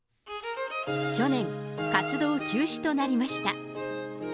去年、活動休止となりました。